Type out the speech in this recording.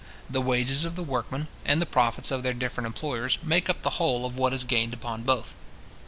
The wages of the workmen, and the profits of their different employers, make up the whole of what is gained upon both.